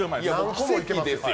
奇跡ですよ